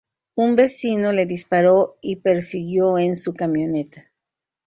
Un vecino le disparó y persiguió en su camioneta.